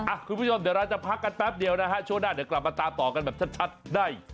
คุณผู้ชมเดี๋ยวเราจะพักกันแป๊บเดียวนะฮะช่วงหน้าเดี๋ยวกลับมาตามต่อกันแบบชัดได้